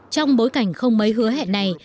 trong bối cảnh không mấy hứa hẹn này